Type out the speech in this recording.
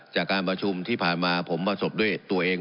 จากการประชุมที่ผ่านมาผมประสบด้วยตัวเอง